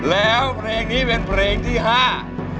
แล้วเพลงนี้เป็นเพลงที่ห้า